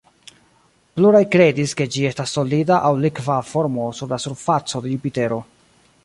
Pluraj kredis ke ĝi estas solida aŭ likva formo sur la surfaco de Jupitero.